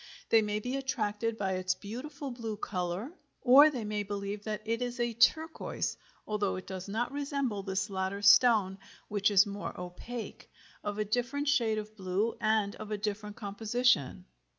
They may be attracted by its beautiful blue color, or they may believe that it is a turquoise, although it does not resemble this latter stone, which is more opaque, of a different shade of blue and of a different composition.